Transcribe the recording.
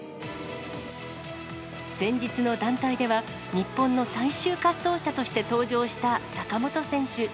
先日の団体では、日本の最終滑走者として登場した坂本選手。